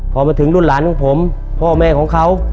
พอมาถึงรุ่นหลานของผมพ่อแม่ของเขา